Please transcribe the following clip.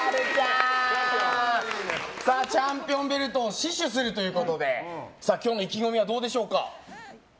チャンピオンベルトを死守するということで今日の意気込みはどうでしょうか。